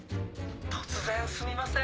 突然すみません。